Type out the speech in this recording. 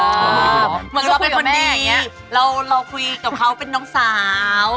เหมือนเราเป็นคนดีเราคุยกับเขาเป็นน้องสาว